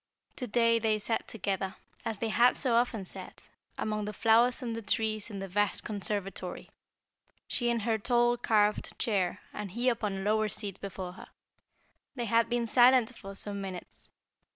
To day they sat together, as they had so often sat, among the flowers and the trees in the vast conservatory, she in her tall, carved chair and he upon a lower seat before her. They had been silent for some minutes.